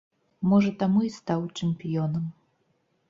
Можа, таму і стаў чэмпіёнам.